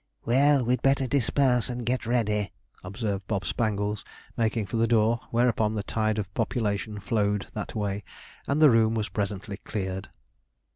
'Well, we'd better disperse and get ready,' observed Bob Spangles, making for the door; whereupon the tide of population flowed that way, and the room was presently cleared.